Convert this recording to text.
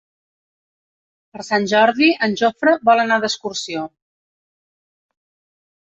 Per Sant Jordi en Jofre vol anar d'excursió.